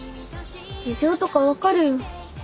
事情とか分かるよ。